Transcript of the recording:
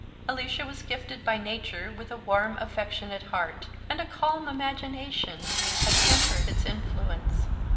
Alicia was gifted by nature with a warm affectionate heart, and a calm imagination attempered its influence.